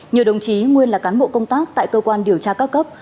nhiều đồng chí nguyên là cán bộ công tác tại cơ quan điều tra các cấp